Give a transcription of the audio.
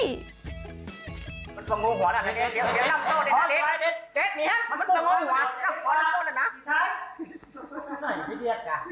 มันต้องโหลหัวแล้วเดี๋ยวเดี๋ยวลำโซ่ด้วยนะเดี๋ยวเดี๋ยว